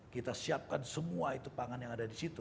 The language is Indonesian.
kita siapkan semua itu pangan yang ada di situ